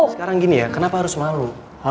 sekarang gini ya kenapa harus malu